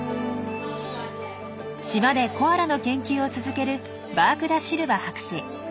島でコアラの研究を続けるバーク・ダ・シルバ博士。